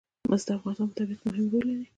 مس د افغانستان په طبیعت کې مهم رول لري.